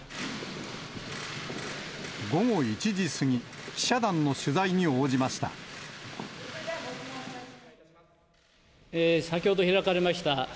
午後１時過ぎ、記者団の取材に応先ほど開かれました